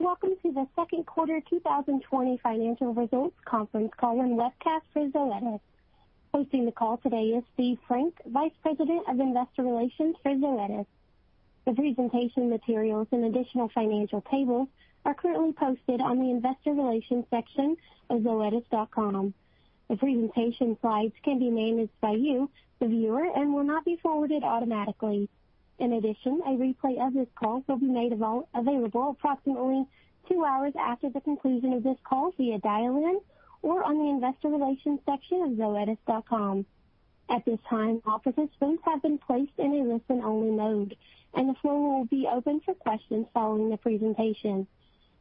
Welcome to the second quarter 2020 financial results conference call and webcast for Zoetis. Hosting the call today is Steve Frank, Vice President of Investor Relations for Zoetis. The presentation materials and additional financial tables are currently posted on the investor relations section of zoetis.com. The presentation slides can be managed by you, the viewer, and will not be forwarded automatically. In addition, a replay of this call will be made available approximately two hours after the conclusion of this call via dial-in or on the investor relations section of zoetis.com. At this time, all participants have been placed in a listen-only mode, and the floor will be open for questions following the presentation.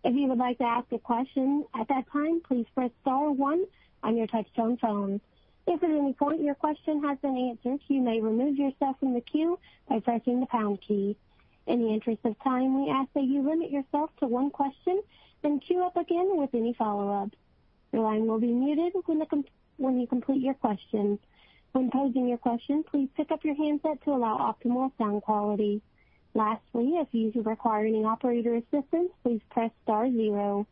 If you would like to ask a question at that time, please press star one on your touch-tone phone. If at any point your question has been answered, you may remove yourself from the queue by pressing the pound key. In the interest of time, we ask that you limit yourself to one question, then queue up again with any follow-ups. Your line will be muted when you complete your questions. When posing your question, please pick up your handset to allow optimal sound quality. Lastly, if you require any operator assistance, please press star zero.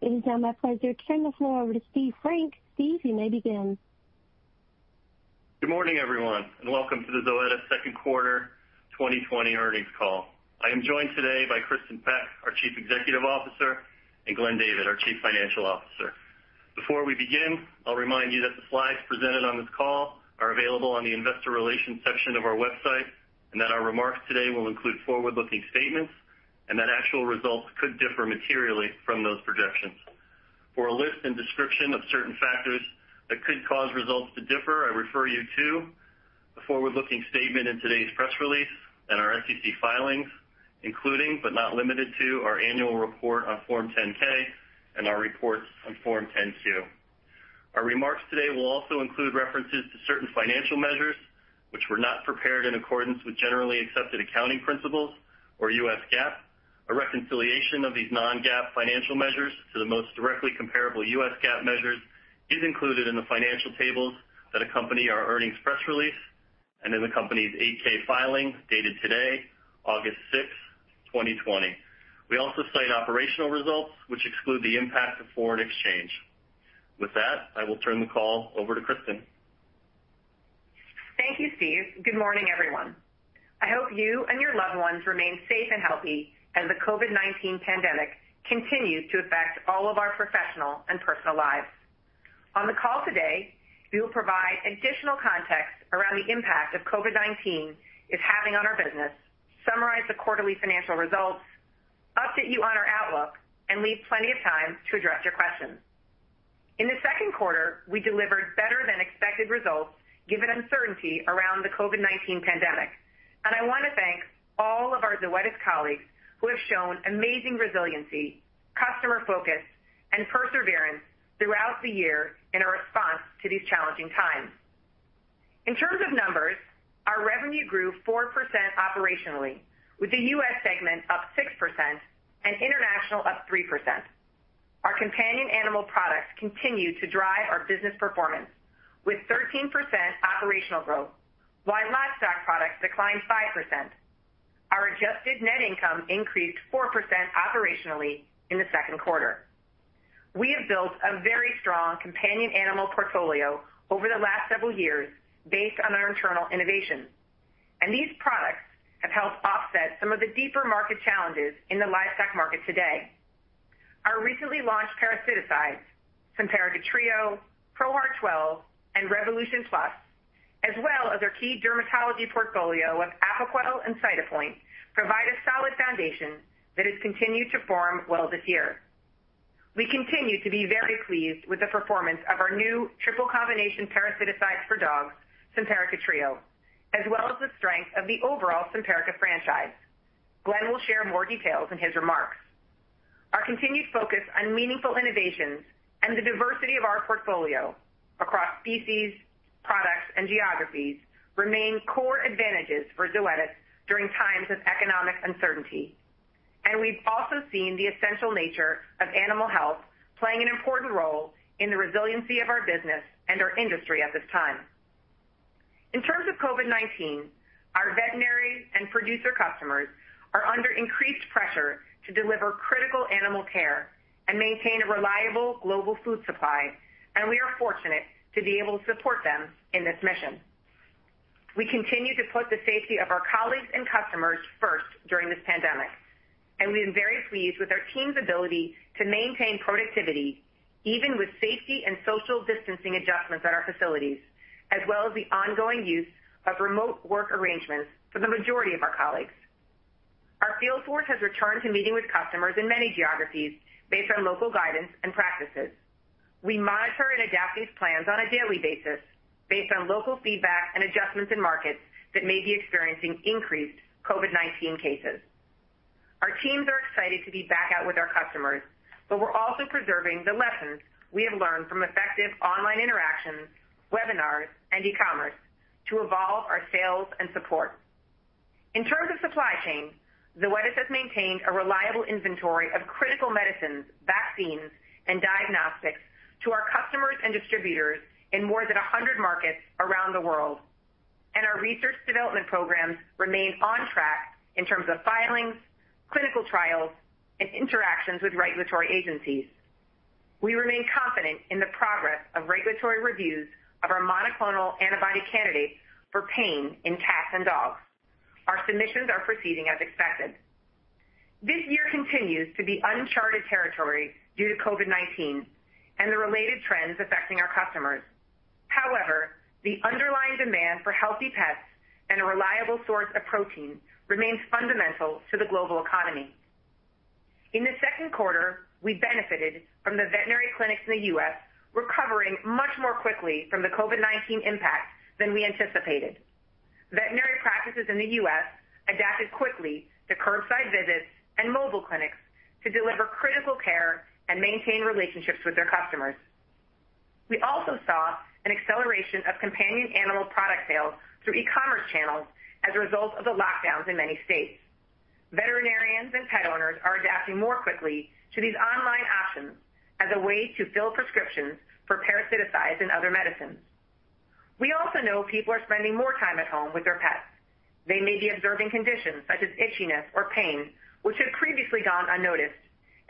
It is now my pleasure to turn the floor over to Steve Frank. Steve, you may begin. Good morning, everyone, and welcome to the Zoetis second quarter 2020 earnings call. I am joined today by Kristin Peck, our Chief Executive Officer, and Glenn David, our Chief Financial Officer. Before we begin, I'll remind you that the slides presented on this call are available on the investor relations section of our website, and that our remarks today will include forward-looking statements and that actual results could differ materially from those projections. For a list and description of certain factors that could cause results to differ, I refer you to the forward-looking statement in today's press release and our SEC filings, including, but not limited to, our annual report on Form 10-K and our reports on Form 10-Q. Our remarks today will also include references to certain financial measures which were not prepared in accordance with generally accepted accounting principles or U.S. GAAP. A reconciliation of these non-GAAP financial measures to the most directly comparable U.S. GAAP measures is included in the financial tables that accompany our earnings press release and in the company's 8-K filing dated today, August 6th, 2020. We also cite operational results which exclude the impact of foreign exchange. With that, I will turn the call over to Kristin. Thank you, Steve. Good morning, everyone. I hope you and your loved ones remain safe and healthy as the COVID-19 pandemic continues to affect all of our professional and personal lives. On the call today, we will provide additional context around the impact of COVID-19 is having on our business, summarize the quarterly financial results, update you on our outlook, and leave plenty of time to address your questions. In the second quarter, we delivered better than expected results given uncertainty around the COVID-19 pandemic. I want to thank all of our Zoetis colleagues who have shown amazing resiliency, customer focus, and perseverance throughout the year in a response to these challenging times. In terms of numbers, our revenue grew 4% operationally, with the U.S. segment up 6% and international up 3%. Our companion animal products continued to drive our business performance with 13% operational growth, while livestock products declined 5%. Our adjusted net income increased 4% operationally in the second quarter. We have built a very strong companion animal portfolio over the last several years based on our internal innovation, and these products have helped offset some of the deeper market challenges in the livestock market today. Our recently launched parasiticides, Simparica Trio, ProHeart 12, and Revolution Plus, as well as our key dermatology portfolio of Apoquel and Cytopoint, provide a solid foundation that has continued to form well this year. We continue to be very pleased with the performance of our new triple combination parasiticides for dogs, Simparica Trio, as well as the strength of the overall Simparica franchise. Glenn will share more details in his remarks. Our continued focus on meaningful innovations and the diversity of our portfolio across species, products, and geographies remain core advantages for Zoetis during times of economic uncertainty. We've also seen the essential nature of animal health playing an important role in the resiliency of our business and our industry at this time. In terms of COVID-19, our veterinary and producer customers are under increased pressure to deliver critical animal care and maintain a reliable global food supply, and we are fortunate to be able to support them in this mission. We continue to put the safety of our colleagues and customers first during this pandemic, and we are very pleased with our team's ability to maintain productivity, even with safety and social distancing adjustments at our facilities, as well as the ongoing use of remote work arrangements for the majority of our colleagues. Our field force has returned to meeting with customers in many geographies based on local guidance and practices. We monitor and adapt these plans on a daily basis based on local feedback and adjustments in markets that may be experiencing increased COVID-19 cases. Our teams are excited to be back out with our customers, but we're also preserving the lessons we have learned from effective online interactions, webinars, and e-commerce to evolve our sales and support. In terms of supply chain, Zoetis has maintained a reliable inventory of critical medicines, vaccines, and diagnostics to our customers and distributors in more than 100 markets around the world. Our research development programs remain on track in terms of filings, clinical trials, and interactions with regulatory agencies. We remain confident in the progress of regulatory reviews of our monoclonal antibody candidates for pain in cats and dogs. Our submissions are proceeding as expected. This year continues to be uncharted territory due to COVID-19 and the related trends affecting our customers. However, the underlying demand for healthy pets and a reliable source of protein remains fundamental to the global economy. In the second quarter, we benefited from the veterinary clinics in the U.S. recovering much more quickly from the COVID-19 impact than we anticipated. Veterinary practices in the U.S. adapted quickly to curbside visits and mobile clinics to deliver critical care and maintain relationships with their customers. We also saw an acceleration of companion animal product sales through e-commerce channels as a result of the lockdowns in many states. Veterinarians and pet owners are adapting more quickly to these online options as a way to fill prescriptions for parasiticides and other medicines. We also know people are spending more time at home with their pets. They may be observing conditions such as itchiness or pain, which had previously gone unnoticed.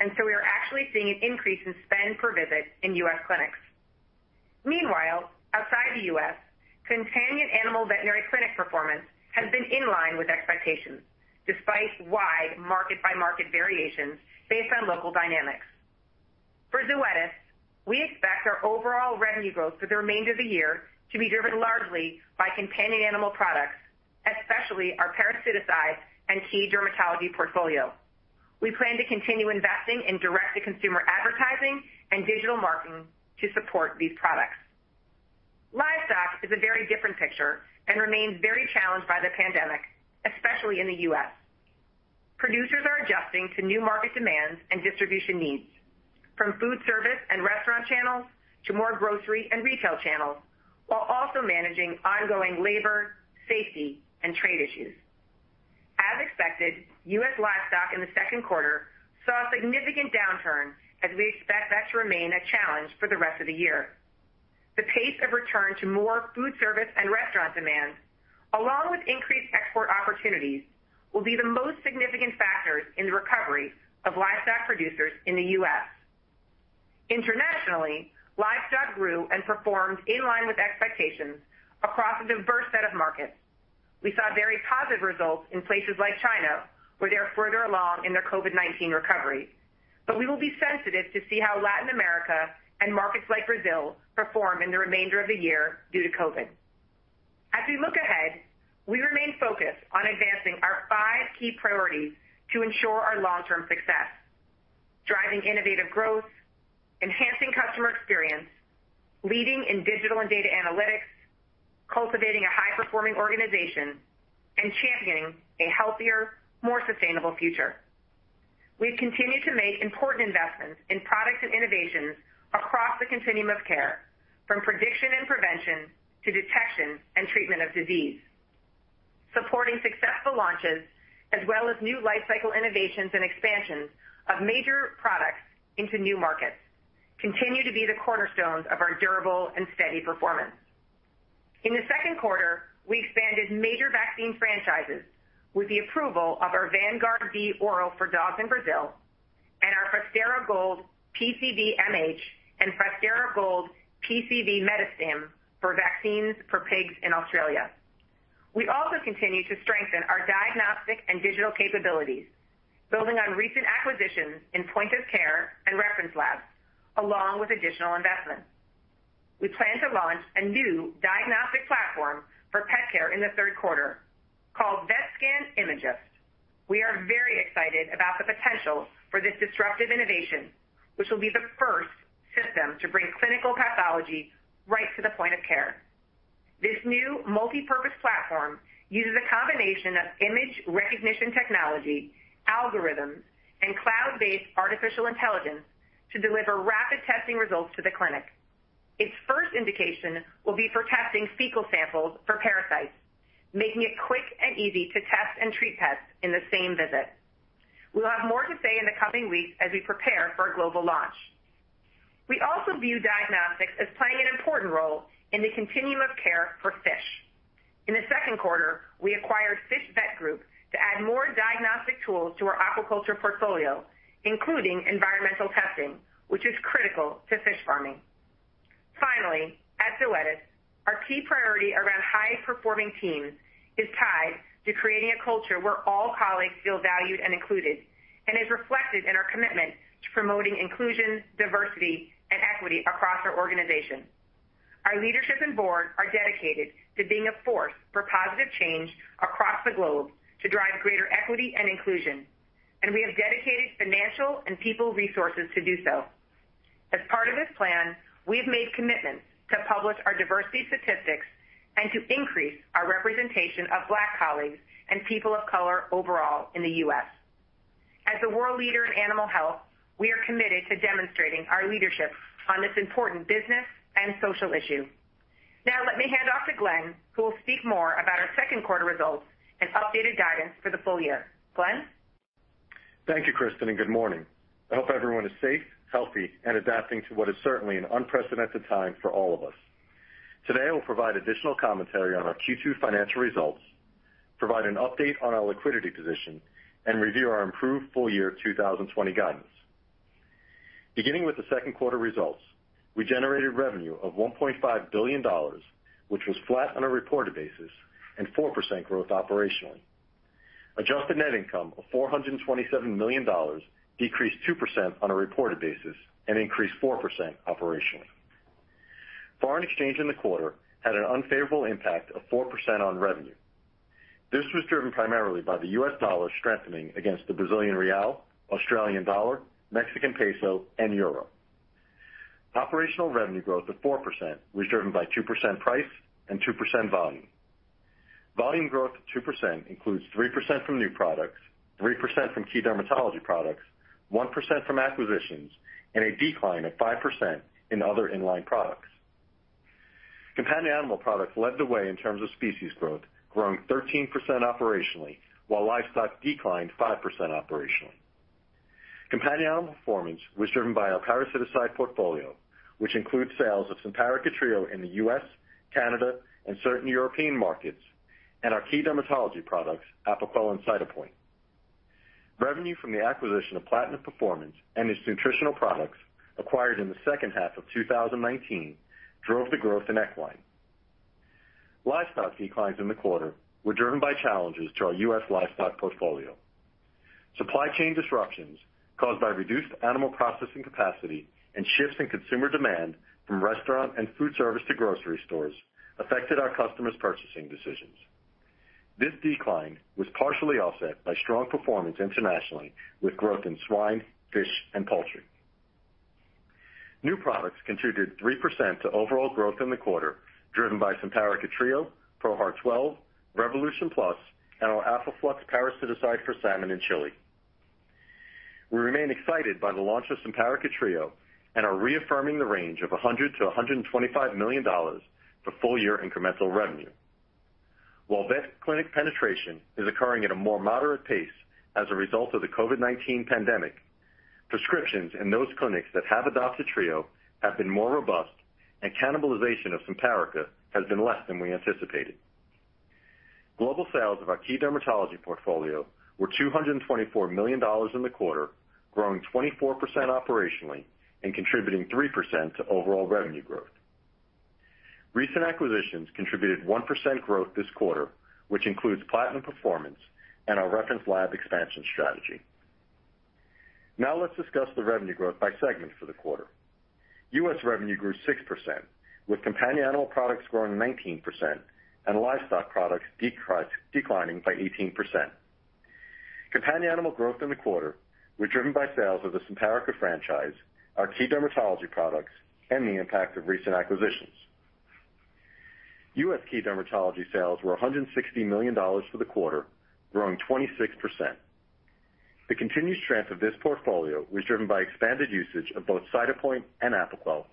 We are actually seeing an increase in spend per visit in U.S. clinics. Meanwhile, outside the U.S., companion animal veterinary clinic performance has been in line with expectations, despite wide market-by-market variations based on local dynamics. For Zoetis, we expect our overall revenue growth for the remainder of the year to be driven largely by companion animal products, especially our parasiticides and key dermatology portfolio. We plan to continue investing in direct-to-consumer advertising and digital marketing to support these products. Livestock is a very different picture and remains very challenged by the pandemic, especially in the U.S. Producers are adjusting to new market demands and distribution needs, from food service and restaurant channels to more grocery and retail channels, while also managing ongoing labor, safety, and trade issues. As expected, U.S. livestock in the second quarter saw a significant downturn, and we expect that to remain a challenge for the rest of the year. The pace of return to more food service and restaurant demand, along with increased export opportunities, will be the most significant factors in the recovery of livestock producers in the U.S. Internationally, livestock grew and performed in line with expectations across a diverse set of markets. We saw very positive results in places like China, where they are further along in their COVID-19 recovery. We will be sensitive to see how Latin America and markets like Brazil perform in the remainder of the year due to COVID. As we look ahead, we remain focused on advancing our five key priorities to ensure our long-term success. Driving innovative growth, enhancing customer experience, leading in digital and data analytics, cultivating a high-performing organization, and championing a healthier, more sustainable future. We've continued to make important investments in products and innovations across the continuum of care, from prediction and prevention to detection and treatment of disease. Supporting successful launches, as well as new lifecycle innovations and expansions of major products into new markets, continue to be the cornerstones of our durable and steady performance. In the second quarter, we expanded major vaccine franchises with the approval of our Vanguard B Oral for dogs in Brazil and our Fostera Gold PCV MH and Fostera Gold PCV MetaStim for vaccines for pigs in Australia. We also continue to strengthen our diagnostic and digital capabilities, building on recent acquisitions in point of care and reference labs, along with additional investments. We plan to launch a new diagnostic platform for pet care in the third quarter called Vetscan Imagyst. We are very excited about the potential for this disruptive innovation, which will be the first system to bring clinical pathology right to the point of care. This new multipurpose platform uses a combination of image recognition technology, algorithms, and cloud-based artificial intelligence to deliver rapid testing results to the clinic. Its first indication will be for testing fecal samples for parasites, making it quick and easy to test and treat pets in the same visit. We'll have more to say in the coming weeks as we prepare for a global launch. We also view diagnostics as playing an important role in the continuum of care for fish. In the second quarter, we acquired Fish Vet Group to add more diagnostic tools to our aquaculture portfolio, including environmental testing, which is critical to fish farming. Finally, at Zoetis, our key priority around high-performing teams is tied to creating a culture where all colleagues feel valued and included, and is reflected in our commitment to promoting inclusion, diversity, and equity across our organization. Our leadership and board are dedicated to being a force for positive change across the globe to drive greater equity and inclusion, and we have dedicated financial and people resources to do so. As part of this plan, we've made commitments to publish our diversity statistics and to increase our representation of Black colleagues and people of color overall in the U.S. As a world leader in animal health, we are committed to demonstrating our leadership on this important business and social issue. Now, let me hand off to Glenn, who will speak more about our second quarter results and updated guidance for the full year. Glenn? Thank you, Kristin, and good morning. I hope everyone is safe, healthy, and adapting to what is certainly an unprecedented time for all of us. Today, I will provide additional commentary on our Q2 financial results, provide an update on our liquidity position, and review our improved full-year 2020 guidance. Beginning with the second quarter results, we generated revenue of $1.5 billion, which was flat on a reported basis and 4% growth operationally. Adjusted net income of $427 million decreased 2% on a reported basis and increased 4% operationally. Foreign exchange in the quarter had an unfavorable impact of 4% on revenue. This was driven primarily by the U.S. dollar strengthening against the Brazilian real, Australian dollar, Mexican peso, and euro. Operational revenue growth of 4% was driven by 2% price and 2% volume. Volume growth of 2% includes 3% from new products, 3% from key dermatology products, 1% from acquisitions, and a decline of 5% in other in-line products. Companion animal products led the way in terms of species growth, growing 13% operationally, while livestock declined 5% operationally. Companion animal performance was driven by our parasiticide portfolio, which includes sales of Simparica Trio in the U.S., Canada, and certain European markets, and our key dermatology products, Apoquel and Cytopoint. Revenue from the acquisition of Platinum Performance and its nutritional products acquired in the second half of 2019 drove the growth in equine. Livestock declines in the quarter were driven by challenges to our U.S. livestock portfolio. Supply chain disruptions caused by reduced animal processing capacity and shifts in consumer demand from restaurant and food service to grocery stores affected our customers' purchasing decisions. This decline was partially offset by strong performance internationally with growth in swine, fish, and poultry. New products contributed 3% to overall growth in the quarter, driven by Simparica Trio, ProHeart 12, Revolution Plus, and our Alpha Flux parasiticide for salmon in Chile. We remain excited by the launch of Simparica Trio and are reaffirming the range of $100 million-$125 million for full-year incremental revenue. While vet clinic penetration is occurring at a more moderate pace as a result of the COVID-19 pandemic, prescriptions in those clinics that have adopted Trio have been more robust, and cannibalization of Simparica has been less than we anticipated. Global sales of our key dermatology portfolio were $224 million in the quarter, growing 24% operationally and contributing 3% to overall revenue growth. Recent acquisitions contributed 1% growth this quarter, which includes Platinum Performance and our reference lab expansion strategy. Now let's discuss the revenue growth by segment for the quarter. U.S. revenue grew 6%, with companion animal products growing 19% and livestock products declining by 18%. Companion animal growth in the quarter was driven by sales of the Simparica franchise, our key dermatology products, and the impact of recent acquisitions. U.S. key dermatology sales were $160 million for the quarter, growing 26%. The continued strength of this portfolio was driven by expanded usage of both Cytopoint and Apoquel,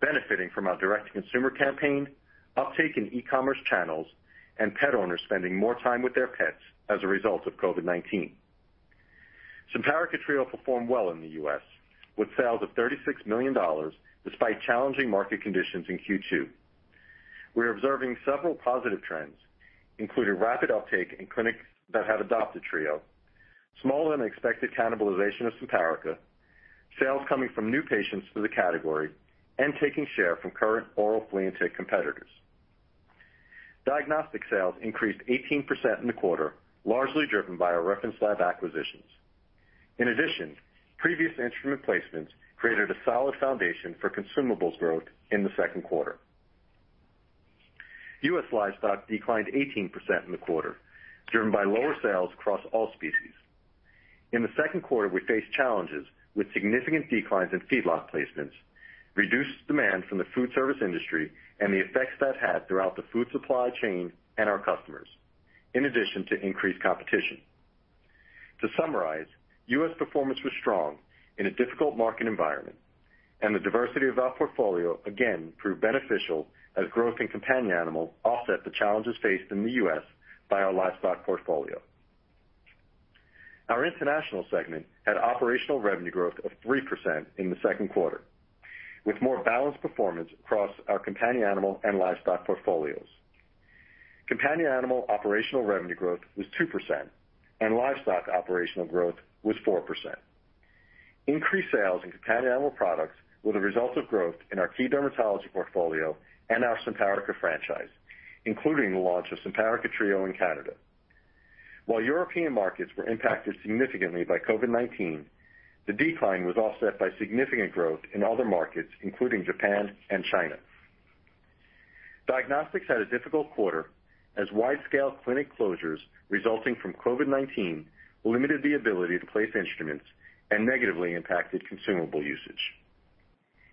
benefiting from our direct-to-consumer campaign, uptake in e-commerce channels, and pet owners spending more time with their pets as a result of COVID-19. Simparica Trio performed well in the U.S., with sales of $36 million despite challenging market conditions in Q2. We're observing several positive trends, including rapid uptake in clinics that have adopted Trio, smaller-than-expected cannibalization of Simparica, sales coming from new patients to the category, and taking share from current oral flea and tick competitors. Diagnostic sales increased 18% in the quarter, largely driven by our reference lab acquisitions. In addition, previous instrument placements created a solid foundation for consumables growth in the second quarter. U.S. livestock declined 18% in the quarter, driven by lower sales across all species. In the second quarter, we faced challenges with significant declines in feedlot placements, reduced demand from the food service industry, and the effects that had throughout the food supply chain and our customers, in addition to increased competition. To summarize, U.S. performance was strong in a difficult market environment, and the diversity of our portfolio again proved beneficial as growth in companion animal offset the challenges faced in the U.S. by our livestock portfolio. Our international segment had operational revenue growth of 3% in the second quarter, with more balanced performance across our companion animal and livestock portfolios. Companion animal operational revenue growth was 2%, and livestock operational growth was 4%. Increased sales in companion animal products were the result of growth in our key dermatology portfolio and our Simparica franchise, including the launch of Simparica Trio in Canada. While European markets were impacted significantly by COVID-19, the decline was offset by significant growth in other markets, including Japan and China. Diagnostics had a difficult quarter as wide-scale clinic closures resulting from COVID-19 limited the ability to place instruments and negatively impacted consumable usage.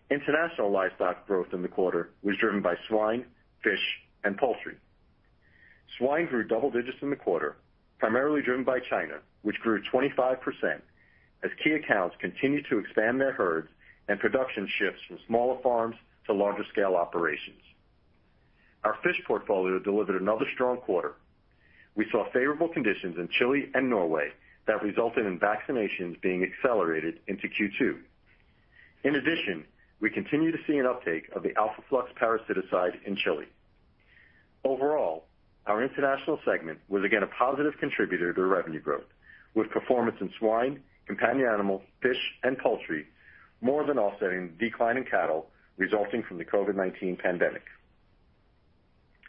International livestock growth in the quarter was driven by swine, fish, and poultry. Swine grew double-digits in the quarter, primarily driven by China, which grew 25% as key accounts continued to expand their herds and production shifts from smaller farms to larger scale operations. Our fish portfolio delivered another strong quarter. We saw favorable conditions in Chile and Norway that resulted in vaccinations being accelerated into Q2. In addition, we continue to see an uptake of the Alpha Flux parasiticide in Chile. Overall, our international segment was again a positive contributor to revenue growth, with performance in swine, companion animal, fish, and poultry more than offsetting the decline in cattle resulting from the COVID-19 pandemic.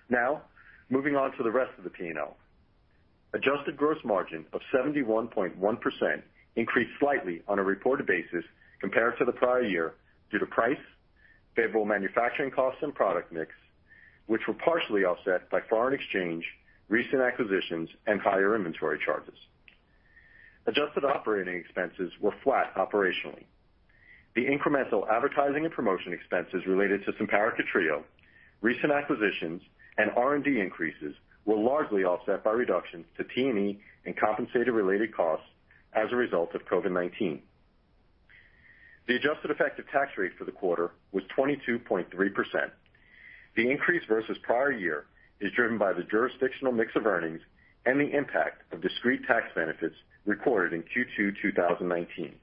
Now, moving on to the rest of the P&L. Adjusted gross margin of 71.1% increased slightly on a reported basis compared to the prior year due to price, favorable manufacturing costs, and product mix, which were partially offset by foreign exchange, recent acquisitions, and higher inventory charges. Adjusted operating expenses were flat operationally. The incremental advertising and promotion expenses related to Simparica Trio, recent acquisitions, and R&D increases were largely offset by reductions to T&E and compensated related costs as a result of COVID-19. The adjusted effective tax rate for the quarter was 22.3%. The increase versus prior year is driven by the jurisdictional mix of earnings and the impact of discrete tax benefits recorded in Q2 2019.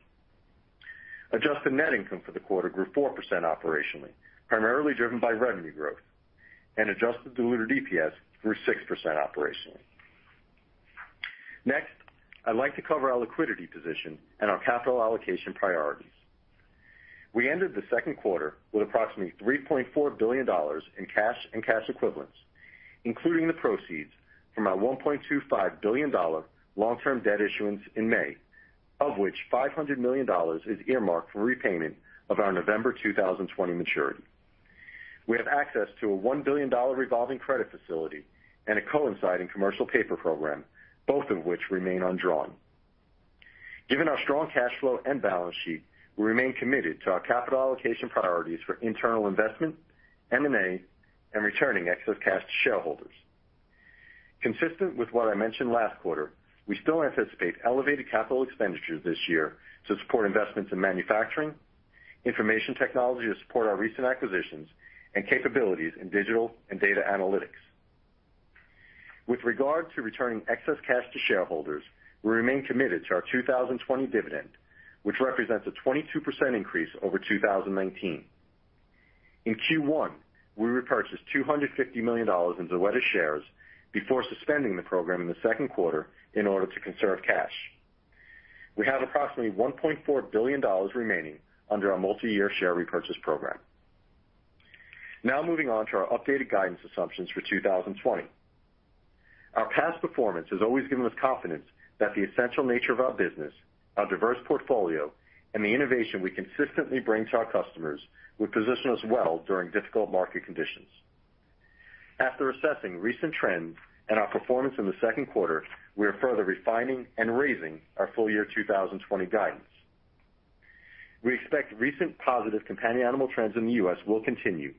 Adjusted net income for the quarter grew 4% operationally, primarily driven by revenue growth, and adjusted diluted EPS grew 6% operationally. Next, I'd like to cover our liquidity position and our capital allocation priorities. We ended the second quarter with approximately $3.4 billion in cash and cash equivalents, including the proceeds from our $1.25 billion long-term debt issuance in May, of which $500 million is earmarked for repayment of our November 2020 maturity. We have access to a $1 billion revolving credit facility and a coinciding commercial paper program, both of which remain undrawn. Given our strong cash flow and balance sheet, we remain committed to our capital allocation priorities for internal investment, M&A, and returning excess cash to shareholders. Consistent with what I mentioned last quarter, we still anticipate elevated capital expenditures this year to support investments in manufacturing, information technology to support our recent acquisitions, and capabilities in digital and data analytics. With regard to returning excess cash to shareholders, we remain committed to our 2020 dividend, which represents a 22% increase over 2019. In Q1, we repurchased $250 million in Zoetis shares before suspending the program in the second quarter in order to conserve cash. We have approximately $1.4 billion remaining under our multi-year share repurchase program. Moving on to our updated guidance assumptions for 2020. Our past performance has always given us confidence that the essential nature of our business, our diverse portfolio, and the innovation we consistently bring to our customers would position us well during difficult market conditions. After assessing recent trends and our performance in the second quarter, we are further refining and raising our full-year 2020 guidance. We expect recent positive companion animal trends in the U.S. will continue,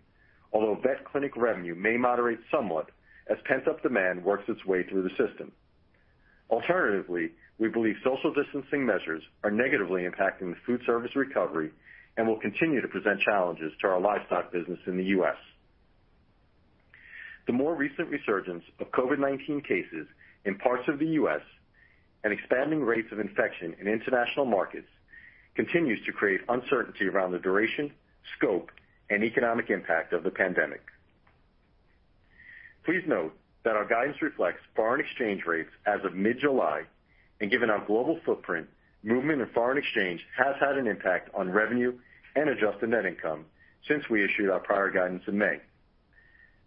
although vet clinic revenue may moderate somewhat as pent-up demand works its way through the system. Alternatively, we believe social distancing measures are negatively impacting the food service recovery and will continue to present challenges to our livestock business in the U.S. The more recent resurgence of COVID-19 cases in parts of the U.S. and expanding rates of infection in international markets continues to create uncertainty around the duration, scope, and economic impact of the pandemic. Please note that our guidance reflects foreign exchange rates as of mid-July, and given our global footprint, movement in foreign exchange has had an impact on revenue and adjusted net income since we issued our prior guidance in May.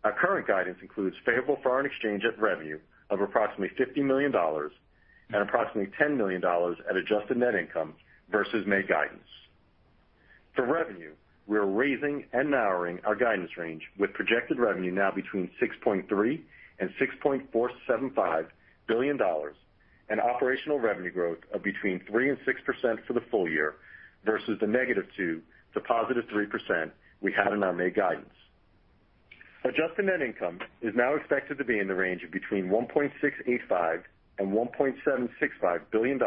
Our current guidance includes favorable foreign exchange at revenue of approximately $50 million and approximately $10 million at adjusted net income versus May guidance. For revenue, we're raising and narrowing our guidance range with projected revenue now between $6.3 billion and $6.475 billion and operational revenue growth of between 3% and 6% for the full year versus the negative 2% to positive 3% we had in our May guidance. Adjusted net income is now expected to be in the range of between $1.685 billion and $1.765 billion,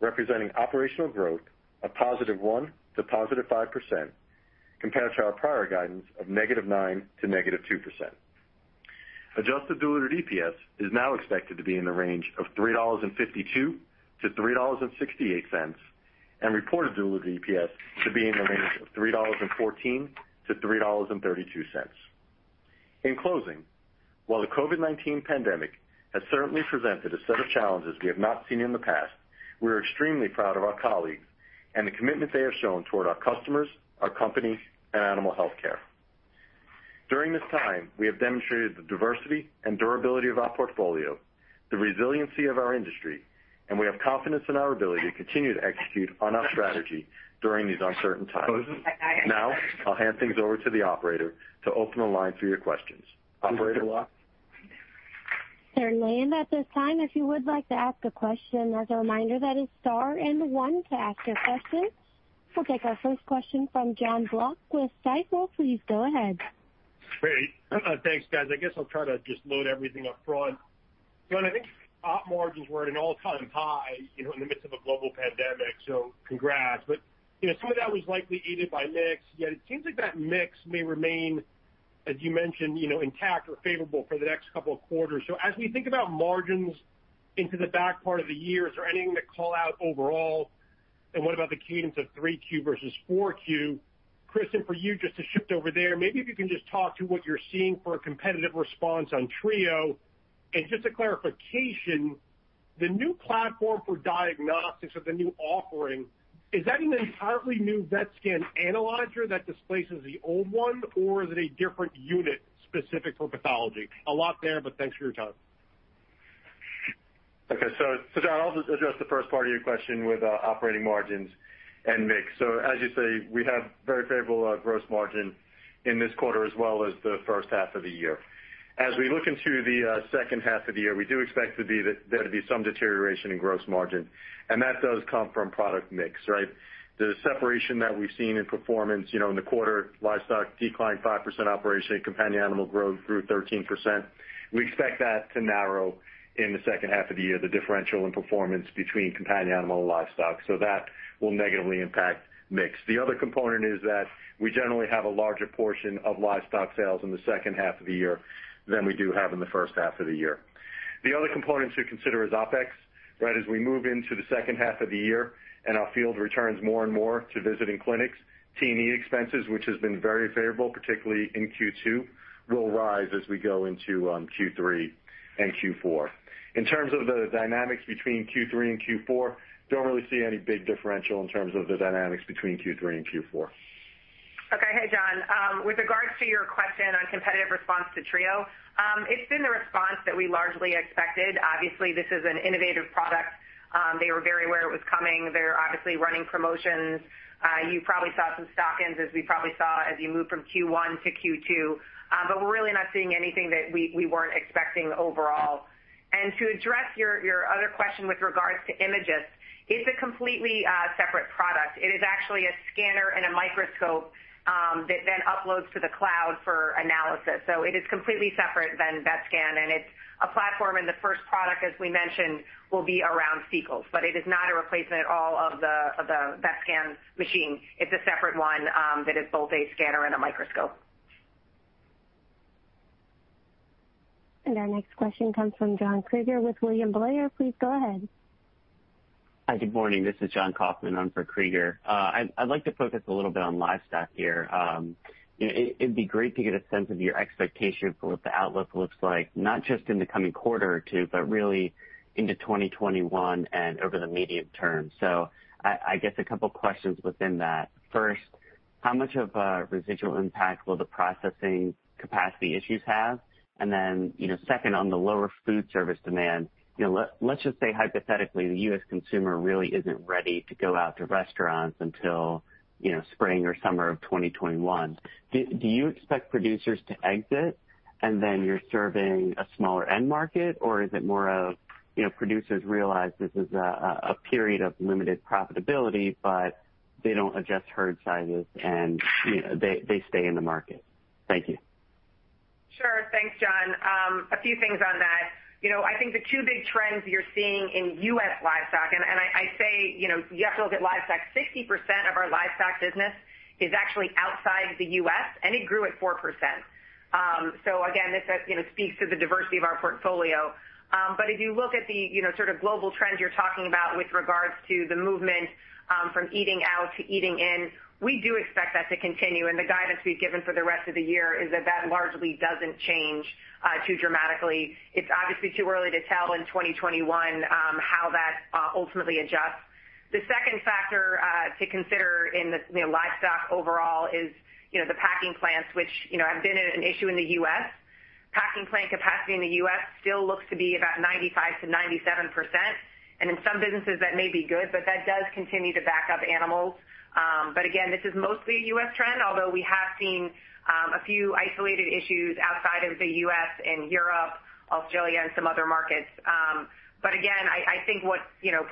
representing operational growth of +1% to +5%, compared to our prior guidance of -9% to -2%. Adjusted diluted EPS is now expected to be in the range of $3.52-$3.68, and reported diluted EPS to be in the range of $3.14-$3.32. In closing, while the COVID-19 pandemic has certainly presented a set of challenges we have not seen in the past, we are extremely proud of our colleagues and the commitment they have shown toward our customers, our company, and animal healthcare. During this time, we have demonstrated the diversity and durability of our portfolio, the resiliency of our industry, and we have confidence in our ability to continue to execute on our strategy during these uncertain times. I'll hand things over to the operator to open the line for your questions. Operator? Certainly. At this time, if you would like to ask a question, as a reminder, that is star and one to ask a question. We'll take our first question from Jon Block with Stifel. Please go ahead. Great. Thanks, guys. I guess I'll try to just load everything up front. Jon, I think Op margins were at an all-time high in the midst of a global pandemic, so congrats. Some of that was likely aided by mix, yet it seems like that mix may remain, as you mentioned, intact or favorable for the next couple of quarters. As we think about margins into the back part of the year, is there anything to call out overall? What about the cadence of 3Q versus 4Q? Kristin, for you, just to shift over there, maybe if you can just talk to what you're seeing for a competitive response on Trio. Just a clarification, the new platform for diagnostics or the new offering, is that an entirely new Vetscan analyzer that displaces the old one, or is it a different unit specific for pathology? A lot there, but thanks for your time. Okay. Jon, I'll just address the first part of your question with operating margins and mix. As you say, we have very favorable gross margin in this quarter as well as the first half of the year. As we look into the second half of the year, we do expect there to be some deterioration in gross margin, and that does come from product mix, right? The separation that we've seen in performance in the quarter, livestock declined 5% operationally, companion animal growth grew 13%. We expect that to narrow in the second half of the year, the differential in performance between companion animal and livestock. That will negatively impact mix. The other component is that we generally have a larger portion of livestock sales in the second half of the year than we do have in the first half of the year. The other component to consider is OpEx. As we move into the second half of the year and our field returns more and more to visiting clinics, T&E expenses, which has been very favorable, particularly in Q2, will rise as we go into Q3 and Q4. In terms of the dynamics between Q3 and Q4, don't really see any big differential in terms of the dynamics between Q3 and Q4. Okay. Hey, Jon. With regards to your question on competitive response to Trio, it's been the response that we largely expected. This is an innovative product. They were very aware it was coming. They're obviously running promotions. You probably saw some stock-ins as we probably saw as you moved from Q1 to Q2. We're really not seeing anything that we weren't expecting overall. To address your other question with regards to Imagyst, it's a completely separate product. It is actually a scanner and a microscope that then uploads to the cloud for analysis. It is completely separate than Vetscan, and it's a platform and the first product, as we mentioned, will be around fecals. It is not a replacement at all of the Vetscan machine. It's a separate one that is both a scanner and a microscope. Our next question comes from John Kreger with William Blair. Please go ahead. Hi, good morning. This is Jon Kaufman on for Kreger. I'd like to focus a little bit on livestock here. It'd be great to get a sense of your expectations of what the outlook looks like, not just in the coming quarter or two, but really into 2021 and over the medium term. I guess a couple questions within that. First, how much of a residual impact will the processing capacity issues have? Then, second, on the lower food service demand, let's just say hypothetically, the U.S. consumer really isn't ready to go out to restaurants until spring or summer of 2021. Do you expect producers to exit and then you're serving a smaller end market? Is it more of producers realize this is a period of limited profitability, but they don't adjust herd sizes and they stay in the market? Thank you. Sure. Thanks, Jon. A few things on that. I think the two big trends you're seeing in U.S. livestock, and I say you have to look at livestock. 60% of our livestock business is actually outside the U.S., and it grew at 4%. Again, this speaks to the diversity of our portfolio. If you look at the sort of global trends you're talking about with regards to the movement from eating out to eating in, we do expect that to continue, and the guidance we've given for the rest of the year is that that largely doesn't change too dramatically. It's obviously too early to tell in 2021 how that ultimately adjusts. The second factor to consider in the livestock overall is the packing plants, which have been an issue in the U.S. Packing plant capacity in the U.S. still looks to be about 95%-97%, and in some businesses, that may be good, but that does continue to back up animals. Again, this is mostly a U.S. trend, although we have seen a few isolated issues outside of the U.S. and Europe, Australia, and some other markets. Again, I think what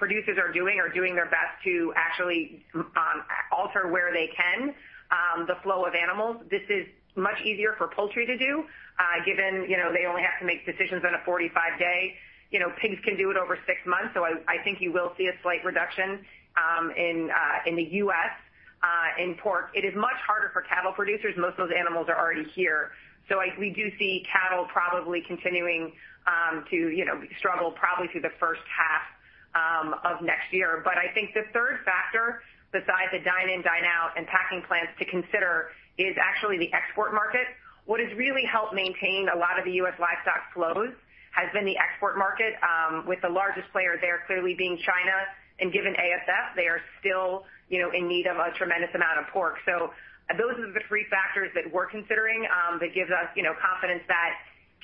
producers are doing their best to actually alter where they can the flow of animals. This is much easier for poultry to do, given they only have to make decisions on a 45-day. Pigs can do it over six months. I think you will see a slight reduction in the U.S. in pork. It is much harder for cattle producers. Most of those animals are already here. We do see cattle probably continuing to struggle probably through the first half of next year. I think the third factor besides the dine-in, dine-out and packing plants to consider is actually the export market. What has really helped maintain a lot of the U.S. livestock flows has been the export market, with the largest player there clearly being China. Given ASF, they are still in need of a tremendous amount of pork. Those are the three factors that we're considering that gives us confidence that,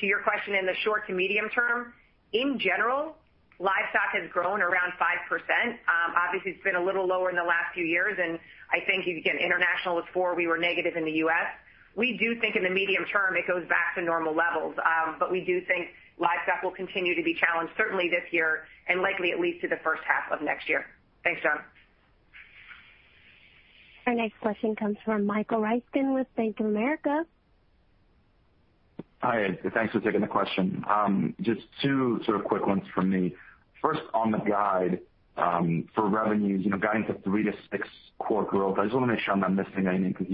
to your question, in the short to medium term, in general, livestock has grown around 5%. Obviously, it's been a little lower in the last few years, and I think, again, international was 4%, we were negative in the U.S. We do think in the medium term, it goes back to normal levels. We do think livestock will continue to be challenged, certainly this year and likely at least through the first half of next year. Thanks, Jon. Our next question comes from Michael Ryskin with Bank of America. Hi, thanks for taking the question. Just two sort of quick ones from me. First, on the guide for revenues, guiding for 3%-6% core growth. I just want to make sure I'm not missing anything, because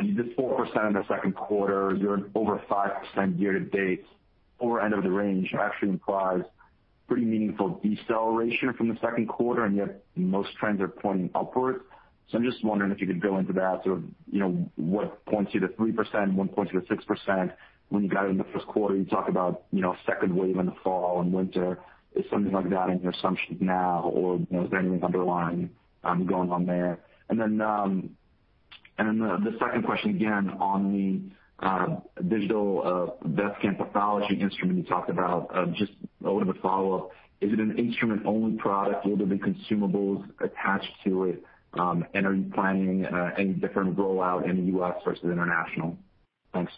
you did 4% in the second quarter. You're over 5% year-to-date, or end of the range actually implies pretty meaningful deceleration from the second quarter, and yet most trends are pointing upwards. I'm just wondering if you could go into that, sort of what points you to 3%, what points you to 6% when you guide in the first quarter? You talk about second wave in the fall and winter. Is something like that in your assumptions now, or is there anything underlying going on there? The second question, again, on the digital Vetscan pathology instrument you talked about. Just a bit of a follow-up. Is it an instrument only product? Will there be consumables attached to it. And are you planning any different rollout in the U.S. versus international? Mike,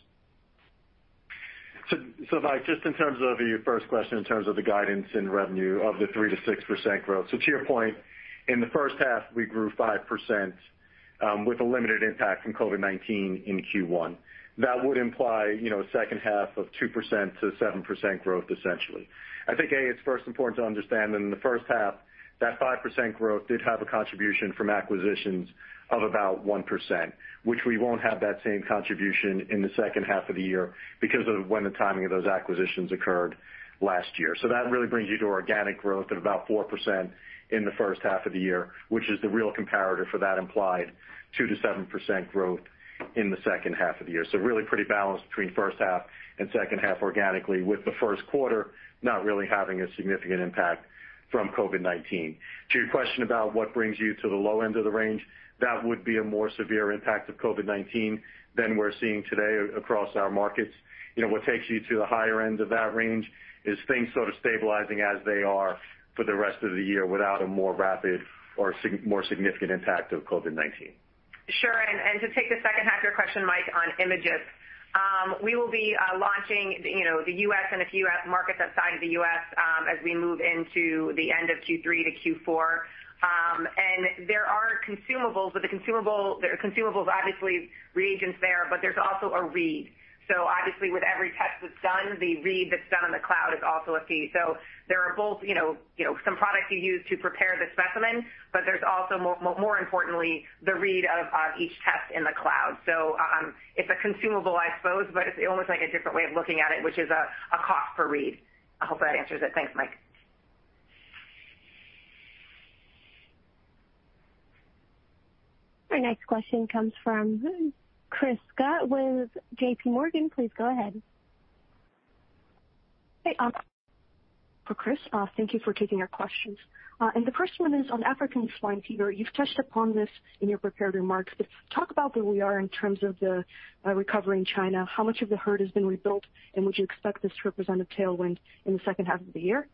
just in terms of your first question in terms of the guidance in revenue of the 3%-6% growth. To your point, in the first half, we grew 5% with a limited impact from COVID-19 in Q1. That would imply a second half of 2%-7% growth essentially. I think, it's first important to understand that, in the first half, that 5% growth did have a contribution from acquisitions of about 1%, which we won't have that same contribution in the second half of the year because of when the timing of those acquisitions occurred last year. So that really brings you to organic growth of about 4% in the first half of the year, which is the real comparator for the implied 2%-7% growth in the second half of the year. So really pretty balanced between first half and second half organically. With the first quarter not having a significant impact from COVID-19. To your question about what brings you to the low end of the range, that would be a more severe impact of COVID-19 than we're seeing today across our markets. What take you to the higher end of that range is things sort of stabilizing as they are for the rest of the year without a more rapid or more significant impact of COVID-19. Sure. And to take the second part of your question, Mike on Imagyst, we will be launching the U.S. and a few markets outside of the U.S. as we move into the end of Q3 to Q4. There are consumables, but the consumables, obviously, reagents there, but there's also a read. So obviously with every test that's done, the read that's done in the cloud is also a fee. So there are both some products you use to prepare the specimen. But there's also more importantly, the read of each test in the cloud. So it's a consumable, I suppose, but it's almost like a different way of looking at it, which is a cost per read. I hope that answers it. Thanks, Mike. Our next question comes from Chris Schott with JPMorgan. Please go ahead. Hey. For Chris. Thank you for taking our questions. The first one is on African swine fever. You've touched upon this in your prepared remarks, but talk about where we are in terms of the recovery in China, how much of the herd has been rebuilt, and would you expect this to represent a tailwind in the second half of the year?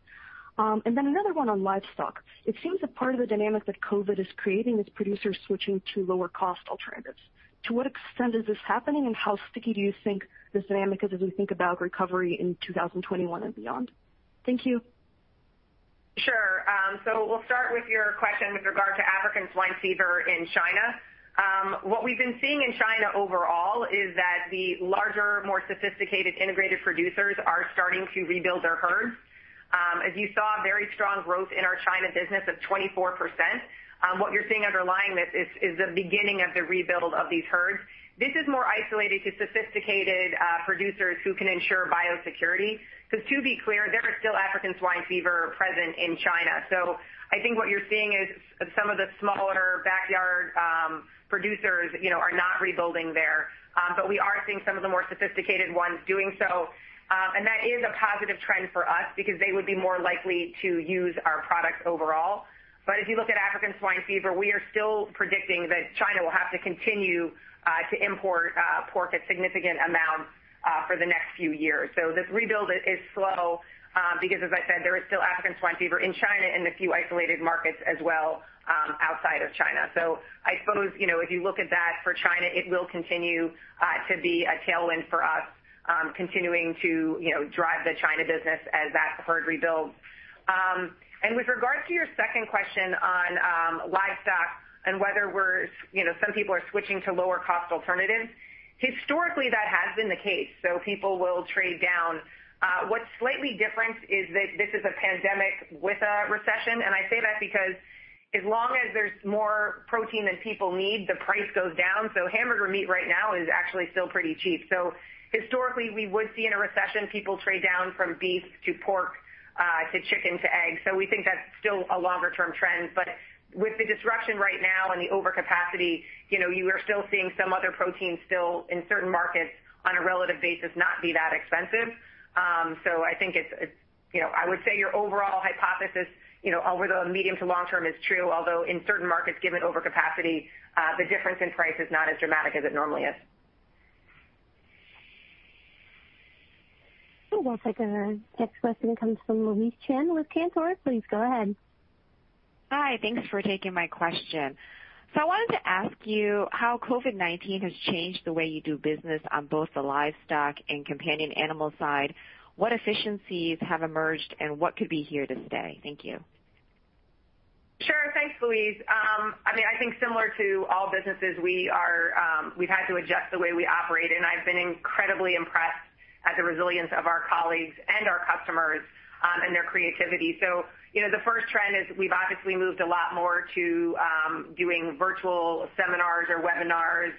Then another one on livestock. It seems that part of the dynamic that COVID is creating is producers switching to lower-cost alternatives. To what extent is this happening, and how sticky do you think this dynamic is as we think about recovery in 2021 and beyond? Thank you. Sure. We'll start with your question with regard to African swine fever in China. What we've been seeing in China overall is that the larger, more sophisticated integrated producers are starting to rebuild their herds. As you saw, very strong growth in our China business of 24%. What you're seeing underlying this is the beginning of the rebuild of these herds. This is more isolated to sophisticated producers who can ensure biosecurity, because to be clear, there is still African swine fever present in China. I think what you're seeing is some of the smaller backyard producers are not rebuilding there. We are seeing some of the more sophisticated ones doing so. That is a positive trend for us because they would be more likely to use our products overall. If you look at African swine fever, we are still predicting that China will have to continue to import pork a significant amount for the next few years. This rebuild is slow because, as I said, there is still African swine fever in China and a few isolated markets as well outside of China. I suppose, if you look at that for China, it will continue to be a tailwind for us, continuing to drive the China business as that herd rebuilds. With regards to your second question on livestock and whether some people are switching to lower-cost alternatives, historically, that has been the case. People will trade down. What's slightly different is that this is a pandemic with a recession, and I say that because as long as there's more protein than people need, the price goes down. Hamburger meat right now is actually still pretty cheap. Historically, we would see in a recession, people trade down from beef to pork to chicken to eggs. We think that's still a longer-term trend. With the disruption right now and the overcapacity, you are still seeing some other proteins still in certain markets on a relative basis, not be that expensive. I would say your overall hypothesis over the medium to long term is true, although in certain markets, given overcapacity, the difference in price is not as dramatic as it normally is. It looks like our next question comes from Louise Chen with Cantor. Please go ahead. Hi. Thanks for taking my question. I wanted to ask you how COVID-19 has changed the way you do business on both the livestock and companion animal side. What efficiencies have emerged and what could be here to stay? Thank you. Sure. Thanks, Louise. I think similar to all businesses, we've had to adjust the way we operate, and I've been incredibly impressed at the resilience of our colleagues and our customers, and their creativity. The first trend is we've obviously moved a lot more to doing virtual seminars or webinars,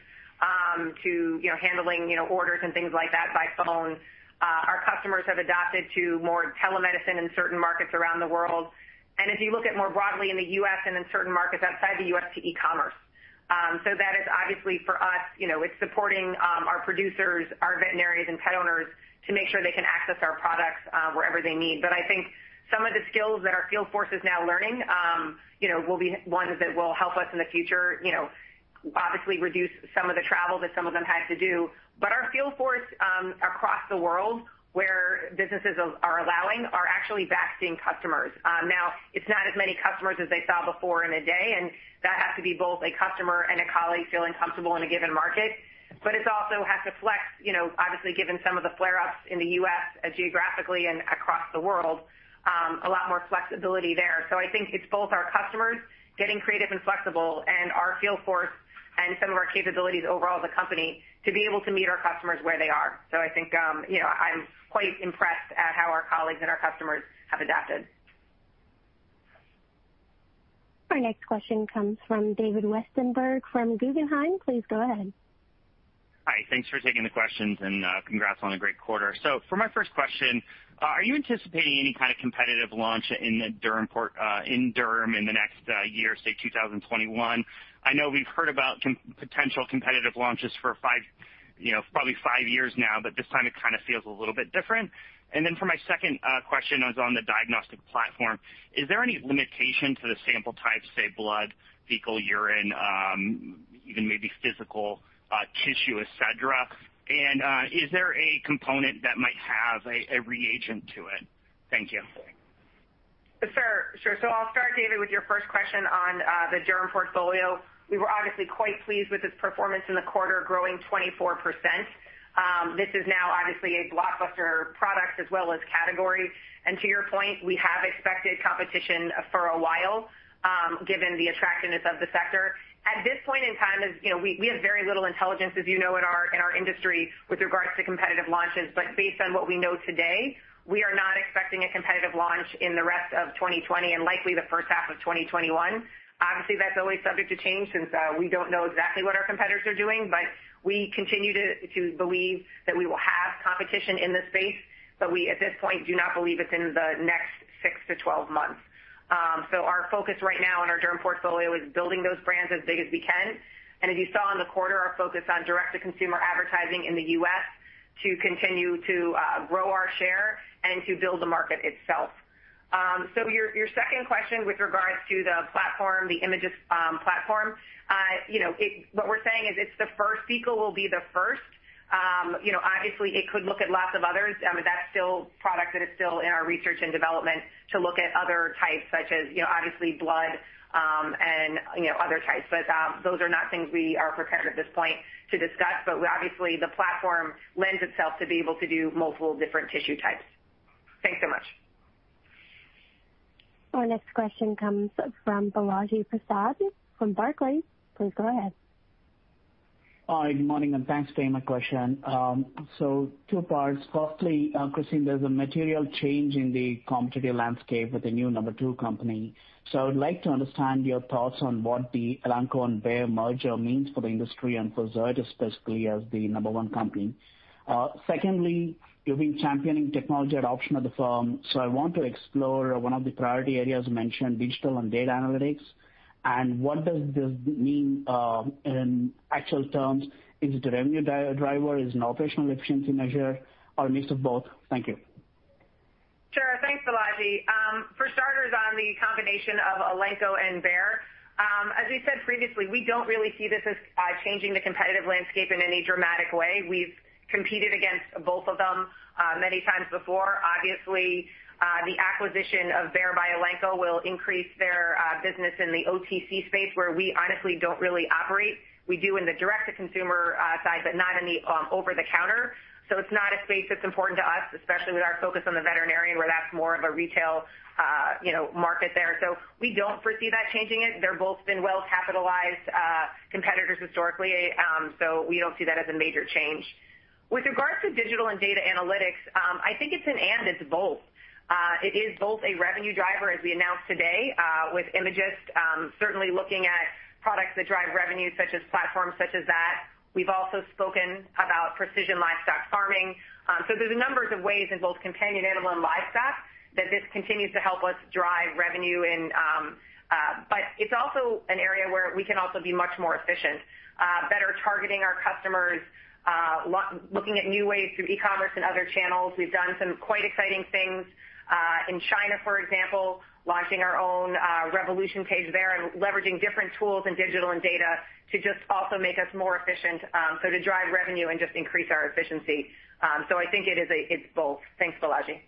to handling orders and things like that by phone. Our customers have adapted to more telemedicine in certain markets around the world. If you look at more broadly in the U.S. and in certain markets outside the U.S. to e-commerce. That is obviously for us, it's supporting our producers, our veterinarians, and pet owners to make sure they can access our products wherever they need. I think some of the skills that our field force is now learning, will be ones that will help us in the future. Obviously reduce some of the travel that some of them had to do. Our field force across the world where businesses are allowing, are actually vaccine customers. Now, it's not as many customers as they saw before in a day, and that has to be both a customer and a colleague feeling comfortable in a given market. It also has to flex, obviously given some of the flare-ups in the U.S. geographically and across the world, a lot more flexibility there. I think it's both our customers getting creative and flexible and our field force and some of our capabilities overall as a company to be able to meet our customers where they are. I think, I'm quite impressed at how our colleagues and our customers have adapted. Our next question comes from David Westenberg from Guggenheim. Please go ahead. Hi. Thanks for taking the questions, and congrats on a great quarter. For my first question, are you anticipating any kind of competitive launch in derm in the next year, say 2021? I know we've heard about potential competitive launches for probably five years now, but this time it kind of feels a little bit different. For my second question is on the diagnostic platform. Is there any limitation to the sample types, say blood, fecal, urine, even maybe physical tissue, et cetera? Is there a component that might have a reagent to it? Thank you. Sure. I'll start, David, with your first question on the derm portfolio. We were obviously quite pleased with its performance in the quarter, growing 24%. This is now obviously a blockbuster product as well as category. To your point, we have expected competition for a while, given the attractiveness of the sector. At this point in time, we have very little intelligence as you know, in our industry with regards to competitive launches, but based on what we know today, we are not expecting a competitive launch in the rest of 2020 and likely the first half of 2021. Obviously, that's always subject to change since we don't know exactly what our competitors are doing, but we continue to believe that we will have competition in this space, but we, at this point, do not believe it's in the next six to 12 months. Our focus right now on our derm portfolio is building those brands as big as we can. As you saw in the quarter, our focus on direct-to-consumer advertising in the U.S. to continue to grow our share and to build the market itself. Your second question with regards to the Imagyst platform, what we're saying is fecal will be the first. Obviously, it could look at lots of others. That's still a product that is still in our research and development to look at other types such as obviously blood, and other types. Those are not things we are prepared at this point to discuss, but obviously, the platform lends itself to be able to do multiple different tissue types. Thanks so much. Our next question comes from Balaji Prasad from Barclays. Please go ahead. Hi, good morning, and thanks for taking my question. Two parts. Firstly, Kristin, there's a material change in the competitive landscape with the new number two company. I would like to understand your thoughts on what the Elanco and Bayer merger means for the industry and for Zoetis, specifically as the number one company. Secondly, you've been championing technology adoption at the firm, I want to explore one of the priority areas you mentioned, digital and data analytics. What does this mean, in actual terms? Is it a revenue driver? Is it an operational efficiency measure or a mix of both? Thank you. Sure. Thanks, Balaji. For starters, on the combination of Elanco and Bayer, as we said previously, we don't really see this as changing the competitive landscape in any dramatic way. We've competed against both of them many times before. Obviously, the acquisition of Bayer by Elanco will increase their business in the OTC space, where we honestly don't really operate. We do in the direct-to-consumer side, but not in the over-the-counter. It's not a space that's important to us, especially with our focus on the veterinarian, where that's more of a retail market there. We don't foresee that changing it. They've both been well-capitalized competitors historically, so we don't see that as a major change. With regards to digital and data analytics, I think it's an and, it's both. It is both a revenue driver, as we announced today, with Imagyst, certainly looking at products that drive revenue such as platforms such as that. We've also spoken about precision livestock farming. There's a number of ways in both companion animal and livestock that this continues to help us drive revenue in. It's also an area where we can also be much more efficient, better targeting our customers, looking at new ways through e-commerce and other channels. We've done some quite exciting things, in China, for example, launching our own Revolution page there and leveraging different tools in digital and data to just also make us more efficient, so to drive revenue and just increase our efficiency. I think it's both. Thanks, Balaji.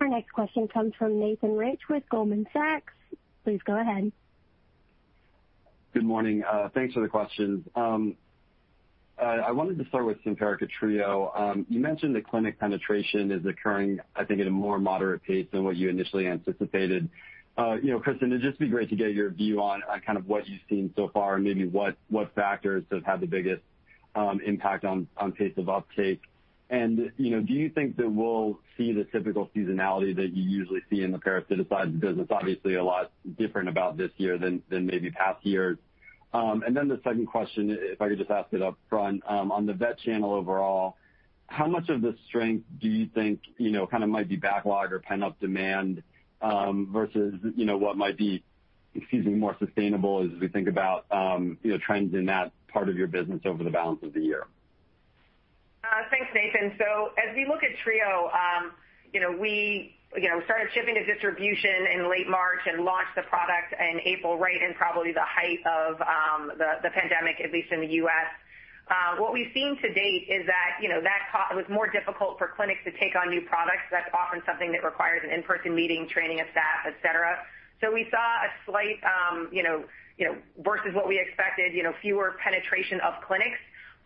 Our next question comes from Nathan Rich with Goldman Sachs. Please go ahead. Good morning. Thanks for the questions. I wanted to start with Simparica Trio. You mentioned the clinic penetration is occurring, I think, at a more moderate pace than what you initially anticipated. Kristin, it'd just be great to get your view on what you've seen so far and maybe what factors have had the biggest impact on pace of uptake. Do you think that we'll see the typical seasonality that you usually see in the parasiticides business? Obviously, a lot different about this year than maybe past years. The second question, if I could just ask it upfront, on the vet channel overall, how much of the strength do you think might be backlog or pent-up demand, versus what might be, excuse me, more sustainable as we think about trends in that part of your business over the balance of the year? Thanks, Nathan. As we look at Trio, we started shipping to distribution in late March and launched the product in April, right in probably the height of the pandemic, at least in the U.S. What we've seen to date is that it was more difficult for clinics to take on new products. That's often something that requires an in-person meeting, training of staff, et cetera. We saw a slight, versus what we expected, fewer penetration of clinics.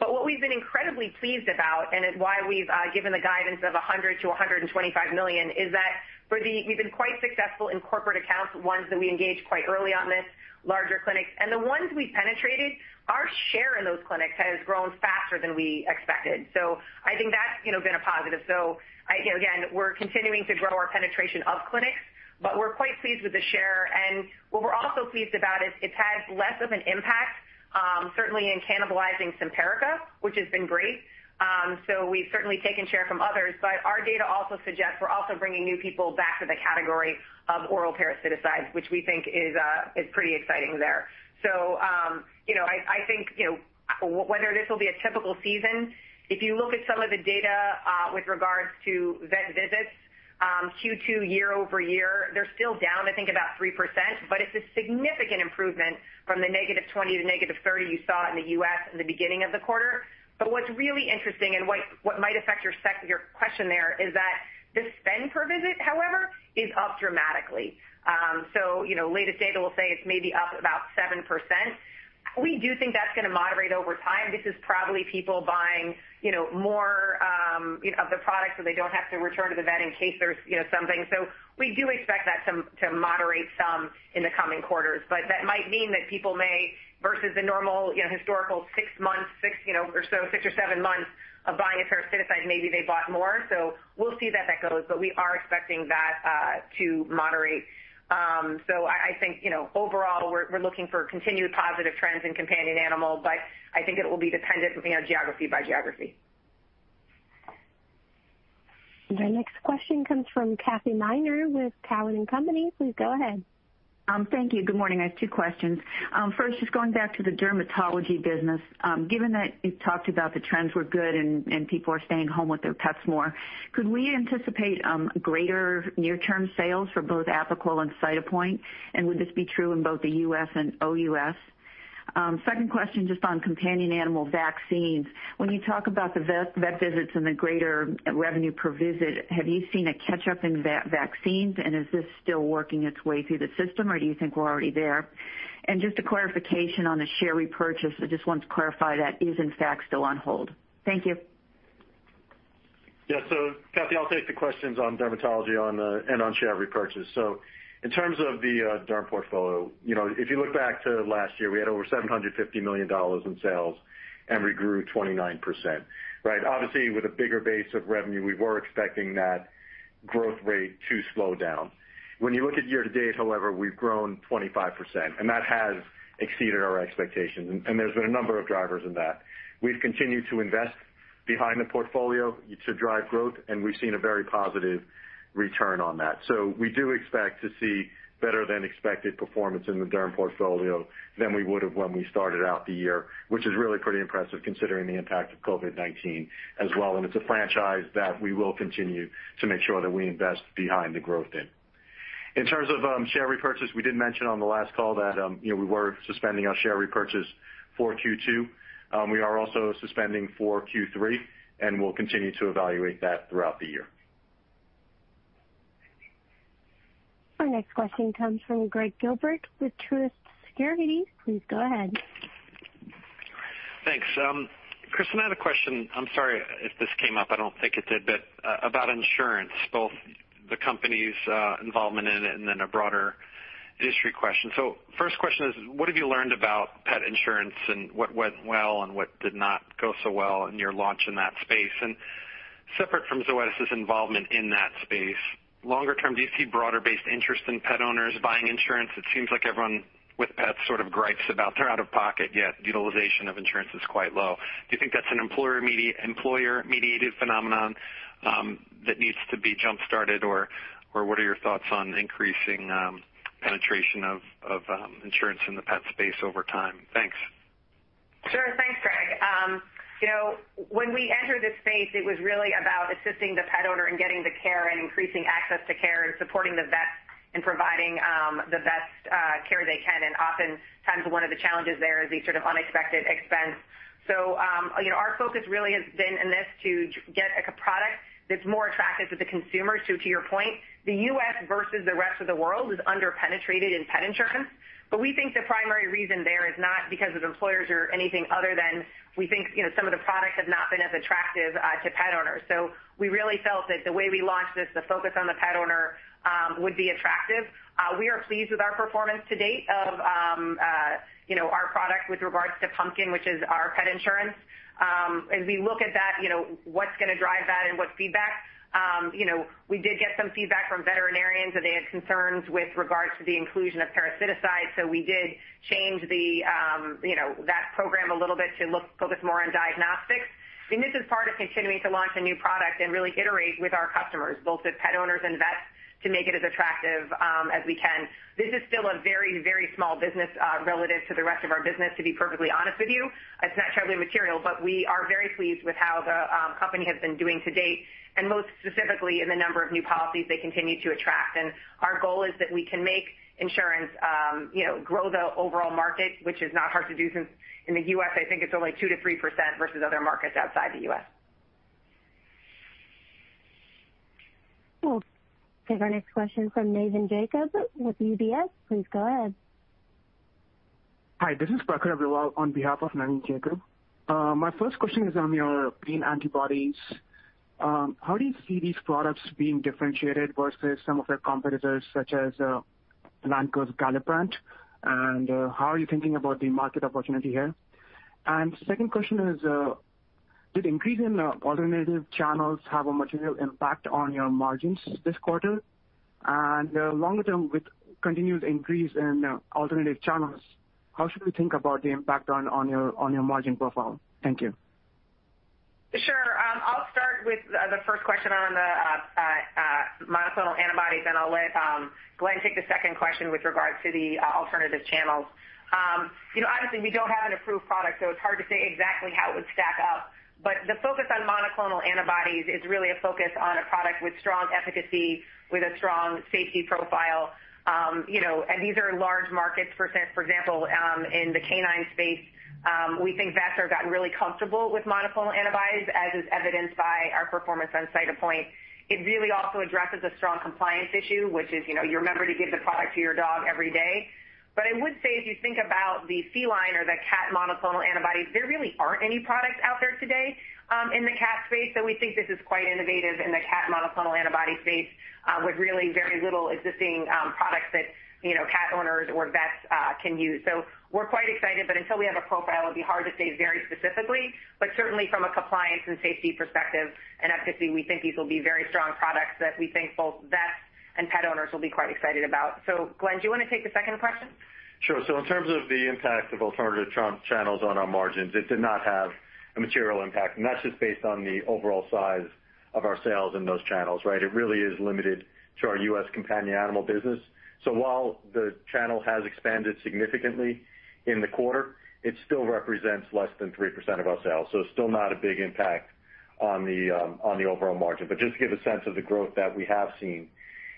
What we've been incredibly pleased about, and why we've given the guidance of $100 million-$125 million, is that we've been quite successful in corporate accounts, ones that we engaged quite early on this, larger clinics. The ones we penetrated, our share in those clinics has grown faster than we expected. I think that's been a positive. Again, we're continuing to grow our penetration of clinics, but we're quite pleased with the share. What we're also pleased about is it's had less of an impact, certainly in cannibalizing Simparica, which has been great. We've certainly taken share from others, but our data also suggests we're also bringing new people back to the category of oral parasiticides, which we think is pretty exciting there. I think, whether this will be a typical season, if you look at some of the data, with regards to vet visits, Q2 year-over-year, they're still down, I think, about 3%, but it's a significant improvement from the -20% to -30% you saw in the U.S. in the beginning of the quarter. What's really interesting and what might affect your question there is that the spend per visit, however, is up dramatically. Latest data will say it's maybe up about 7%. We do think that's going to moderate over time. This is probably people buying more of the product so they don't have to return to the vet in case there's something. We do expect that to moderate some in the coming quarters. That might mean that people may, versus the normal historical six months, six or so, six or seven months of buying a parasiticides, maybe they bought more. We'll see that that goes. We are expecting that to moderate. I think, overall, we're looking for continued positive trends in companion animals, but I think it will be dependent on geography by geography. The next question comes from Kathy Miner with Cowen and Company. Please go ahead. Thank you. Good morning. I have two questions. First, just going back to the dermatology business. Given that you talked about the trends were good and people are staying home with their pets more, could we anticipate greater near-term sales for both Apoquel and Cytopoint, and would this be true in both the U.S. and OUS? Second question, just on companion animal vaccines. When you talk about the vet visits and the greater revenue per visit, have you seen a catch-up in vaccines, and is this still working its way through the system, or do you think we're already there? Just a clarification on the share repurchase. I just wanted to clarify that is in fact still on hold. Thank you. Yeah. Kathy, I'll take the questions on dermatology and on share repurchase. In terms of the derm portfolio, if you look back to last year, we had over $750 million in sales and we grew 29%. Obviously, with a bigger base of revenue, we were expecting that growth rate to slow down. When you look at year-to-date, however, we've grown 25%, and that has exceeded our expectations, and there's been a number of drivers in that. We've continued to invest behind the portfolio to drive growth, and we've seen a very positive return on that. We do expect to see better-than-expected performance in the derm portfolio than we would've when we started out the year, which is really pretty impressive considering the impact of COVID-19 as well, and it's a franchise that we will continue to make sure that we invest behind the growth in. In terms of share repurchase, we did mention on the last call that we were suspending our share repurchase for Q2. We are also suspending for Q3, and we'll continue to evaluate that throughout the year. Our next question comes from Gregg Gilbert with Truist Securities. Please go ahead. Thanks. Kristin, I had a question, I'm sorry if this came up, I don't think it did, but about insurance, both the company's involvement in it and then a broader industry question. First question is, what have you learned about pet insurance and what went well and what did not go so well in your launch in that space? Separate from Zoetis' involvement in that space, longer term, do you see broader-based interest in pet owners buying insurance? It seems like everyone with pets sort of gripes about their out-of-pocket, yet utilization of insurance is quite low. Do you think that's an employer-mediated phenomenon that needs to be jump-started, or what are your thoughts on increasing penetration of insurance in the pet space over time? Thanks. When we entered this space, it was really about assisting the pet owner in getting the care and increasing access to care and supporting the vet in providing the best care they can. Oftentimes one of the challenges there is the unexpected expense. Our focus really has been in this to get a product that's more attractive to the consumer. To your point, the U.S. versus the rest of the world is under-penetrated in pet insurance. We think the primary reason there is not because of employers or anything other than we think some of the products have not been as attractive to pet owners. We really felt that the way we launched this, the focus on the pet owner, would be attractive. We are pleased with our performance to date of our product with regards to Pumpkin, which is our pet insurance. As we look at that, what's going to drive that and what feedback? We did get some feedback from veterinarians, and they had concerns with regards to the inclusion of parasiticides. We did change that program a little bit to focus more on diagnostics. This is part of continuing to launch a new product and really iterate with our customers, both as pet owners and vets, to make it as attractive as we can. This is still a very small business relative to the rest of our business, to be perfectly honest with you. It is not terribly material, but we are very pleased with how the company has been doing to date, and most specifically in the number of new policies they continue to attract. Our goal is that we can make insurance grow the overall market, which is not hard to do, since in the U.S., I think it's only 2%-3% versus other markets outside the U.S. We'll take our next question from Navin Jacob with UBS. Please go ahead. Hi, this is Prakhar Agarwal on behalf of Navin Jacob. My first question is on your pain antibodies. How do you see these products being differentiated versus some of their competitors, such as Elanco's Galliprant, how are you thinking about the market opportunity here? Second question is, did increase in alternative channels have a material impact on your margins this quarter? Longer term, with continued increase in alternative channels, how should we think about the impact on your margin profile? Thank you. Sure. I'll start with the first question on the monoclonal antibodies, and I'll let Glenn take the second question with regards to the alternative channels. Honestly, we don't have an approved product, so it's hard to say exactly how it would stack up. The focus on monoclonal antibodies is really a focus on a product with strong efficacy, with a strong safety profile. These are large markets. For example, in the canine space, we think vets have gotten really comfortable with monoclonal antibodies, as is evidenced by our performance on Cytopoint. It really also addresses a strong compliance issue, which is, you remember to give the product to your dog every day. I would say, if you think about the feline or the cat monoclonal antibodies, there really aren't any products out there today in the cat space. We think this is quite innovative in the cat monoclonal antibody space, with really very little existing products that cat owners or vets can use. We're quite excited, but until we have a profile, it'd be hard to say very specifically. Certainly from a compliance and safety perspective and efficacy, we think these will be very strong products that we think both vets and pet owners will be quite excited about. Glenn, do you want to take the second question? Sure. In terms of the impact of alternative channels on our margins, it did not have a material impact, and that's just based on the overall size of our sales in those channels, right? It really is limited to our U.S. companion animal business. While the channel has expanded significantly in the quarter, it still represents less than 3% of our sales. Still not a big impact on the overall margin. Just to give a sense of the growth that we have seen.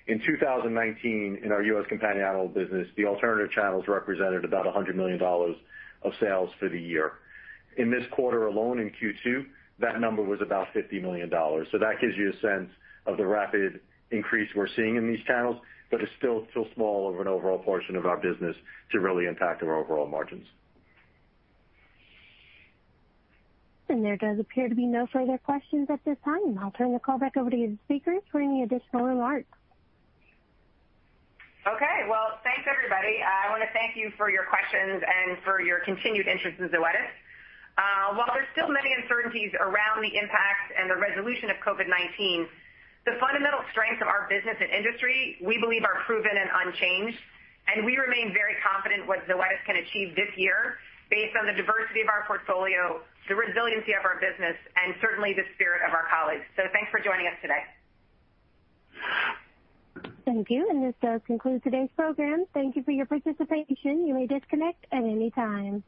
In 2019, in our U.S. companion animal business, the alternative channels represented about $100 million of sales for the year. In this quarter alone, in Q2, that number was about $50 million. That gives you a sense of the rapid increase we're seeing in these channels, but it's still small of an overall portion of our business to really impact our overall margins. There does appear to be no further questions at this time. I'll turn the call back over to you, speakers, for any additional remarks. Okay. Well, thanks, everybody. I want to thank you for your questions and for your continued interest in Zoetis. While there's still many uncertainties around the impact and the resolution of COVID-19, the fundamental strengths of our business and industry, we believe, are proven and unchanged, and we remain very confident what Zoetis can achieve this year based on the diversity of our portfolio, the resiliency of our business, and certainly the spirit of our colleagues. Thanks for joining us today. Thank you. This does conclude today's program. Thank you for your participation. You may disconnect at any time.